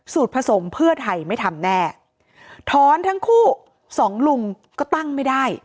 ผสมเพื่อไทยไม่ทำแน่ถอนทั้งคู่สองลุงก็ตั้งไม่ได้